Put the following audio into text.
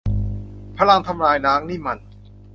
พลังทำลายล้างนี่มัน